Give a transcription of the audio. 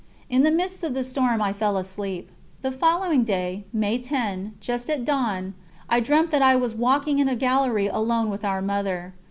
And in the midst of the storm I fell asleep. The following day, May 10, just at dawn, I dreamt that I was walking in a gallery alone with Our Mother.